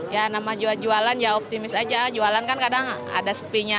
ya nama jual jualan ya optimis aja jualan kan kadang ada sepinya